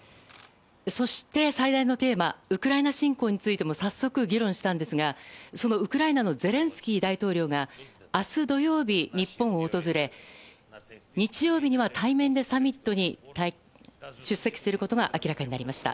そして、最大のテーマウクライナ侵攻についても早速議論したんですがそのウクライナのゼレンスキー大統領が明日土曜日、日本を訪れ日曜日には対面でサミットに出席することが明らかになりました。